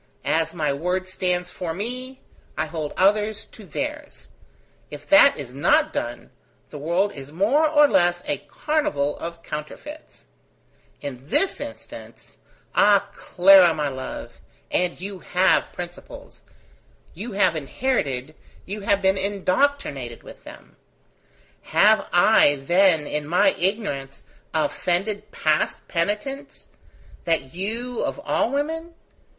As my word stands for me, I hold others to theirs. If that is not done, the world is more or less a carnival of counterfeits. In this instance Ah! Clara, my love! and you have principles: you have inherited, you have been indoctrinated with them: have I, then, in my ignorance, offended past penitence, that you, of all women?